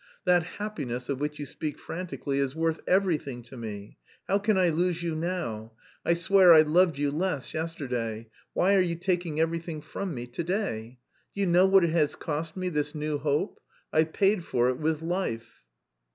That 'happiness' of which you speak frantically is worth... everything to me. How can I lose you now? I swear I loved you less yesterday. Why are you taking everything from me to day? Do you know what it has cost me, this new hope? I've paid for it with life."